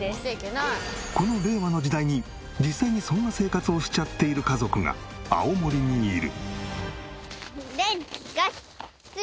この令和の時代に実際にそんな生活をしちゃっている家族が青森にいる。